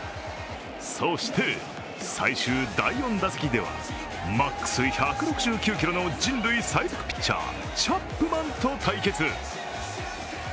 そして、最終第４打席では、マックス１６９キロの人類最速ピッチャー、チャップマンと対決。